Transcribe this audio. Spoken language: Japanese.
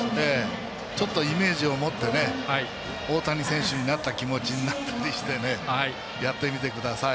イメージを持って大谷選手になった気持ちになったりしてやってみてください。